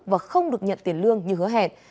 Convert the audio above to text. và không được nhận tiền lương như hứa hẹn